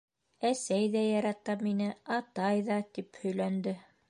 -Әсәй ҙә ярата мине, атай ҙа, - тип һөйләнде.